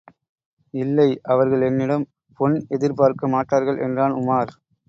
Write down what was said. இல்லை, அவர்கள் என்னிடம் பொன் எதிர்பார்க்க மாட்டார்கள் என்றான் உமார்.